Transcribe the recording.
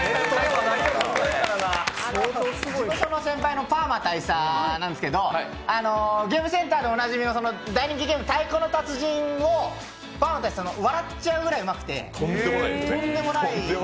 事務所の先輩のパーマ大佐なんですけど、ゲームセンターでおなじみの大人気ゲーム、「太鼓の達人」がパーマ大佐、笑っちゃうくらいうまくて、とんでもない。